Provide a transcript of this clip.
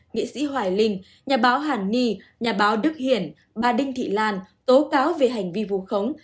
nghị sĩ hòa linh nhà báo hàn nhi nhà báo đức hiển bà đinh thị lan tố cáo về hành vi vụ khống